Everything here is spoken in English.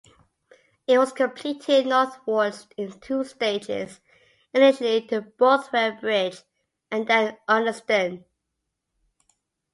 It was completed northwards in two stages, initially to Bothwell Bridge, and then Uddingston.